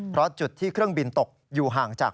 เพราะจุดที่เครื่องบินตกอยู่ห่างจาก